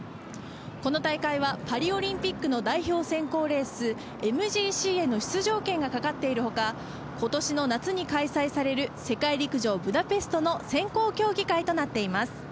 この大会はパリオリンピックの代表選考レース、ＭＧＣへの出場権がかかっている他、今年の夏に開催される世界陸上ブタペストの選考競技会となっています。